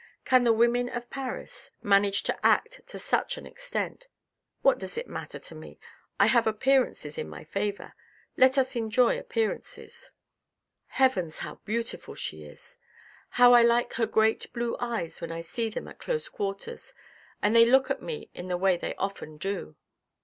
Can the women of Paris manage to act to such an extent. What does it matter to me ! I have appearances in my favour, let us enjoy appearances. Heavens, how beautiful QUEEN MARGUERITE 313 she is ! How I like her great blue eyes when I see them at close quarters, and they look at me in the way they often do